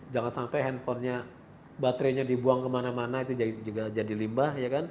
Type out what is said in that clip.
jangan sampai handphonenya baterainya dibuang kemana mana itu juga jadi limbah